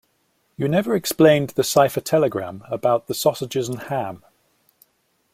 You never explained that cipher telegram about the sausages and ham.